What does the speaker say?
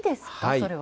それは。